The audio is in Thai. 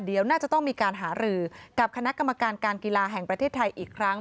เดี๋ยวน่าจะต้องมีการหารือกับคณะกรรมการการกีฬาแห่งประเทศไทยอีกครั้ง